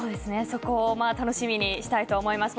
そこを楽しみにしたいと思います。